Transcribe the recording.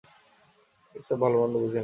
এসব ভালোমন্দ বুঝি না।